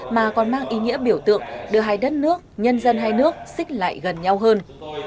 mà còn mang ý nghĩa biểu tượng đưa hai đất nước nhân dân hai nước xích lại gần nhau hơn